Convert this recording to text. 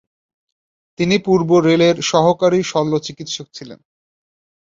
তিনি পূর্ব রেলের সহকারী শল্যচিকিৎসক ছিলেন।